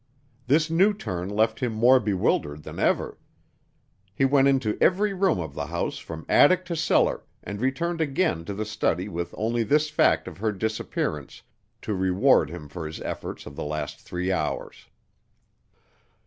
This new turn left him more bewildered than ever. He went into every room of the house from attic to cellar and returned again to the study with only this fact of her disappearance to reward him for his efforts of the last three hours.